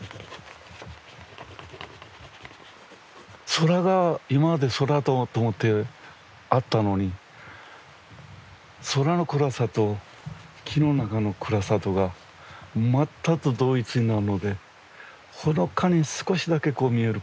空が今まで空だと思ってあったのに空の暗さと木の中の暗さとが同一になるのでほのかに少しだけこう見える。